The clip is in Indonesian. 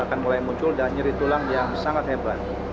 akan mulai muncul dan nyeri tulang yang sangat hebat